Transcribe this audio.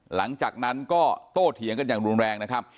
หลังจากนั้นก็โตเถียงกันอย่างรุนแรงนะครับ